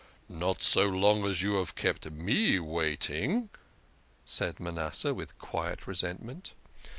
" Not so long as you have kept me waiting," said Manasseh with quiet resentment.